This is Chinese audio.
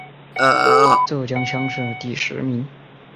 浙江乡试第十名。